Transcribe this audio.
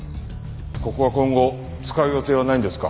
ここは今後使う予定はないんですか？